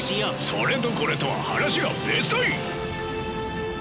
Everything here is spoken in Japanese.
それとこれとは話が別だい！